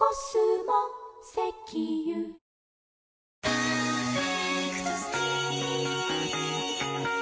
「パーフェクトスティック」